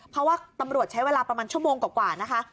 เพราะว่าตำรวจใช้เวลาประมาณชั่วโมงกว่านะคะ